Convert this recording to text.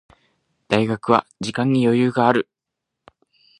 大学生は時間に余裕がある。